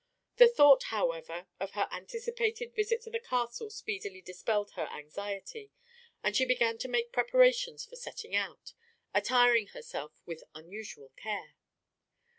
The thought, however, of her anticipated visit to the castle speedily dispelled her anxiety, and she began to make preparations for setting out, attiring herself with unusual care.